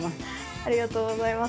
ありがとうございます。